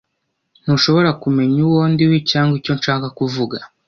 Ntushobora kumenya uwo ndiwe cyangwa icyo nshaka kuvuga,